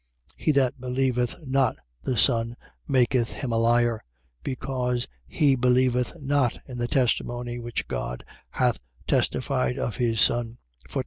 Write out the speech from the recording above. He that believeth not the Son maketh him a liar: because he believeth not in the testimony which God hath testified of his Son.